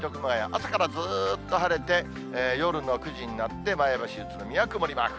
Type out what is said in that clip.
朝からずっと晴れて、夜の９時になって、前橋、宇都宮、曇りマーク。